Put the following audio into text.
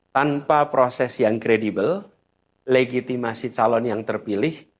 tanpa proses yang kredibel legitimasi calon yang terpilih